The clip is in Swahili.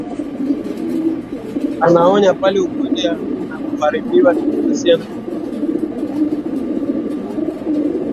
Anaonya pale ukweli unapoharibiwa demokrasia nayo huharibiwa